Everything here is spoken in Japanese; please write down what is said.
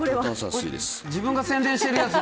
自分が宣伝してるやつ。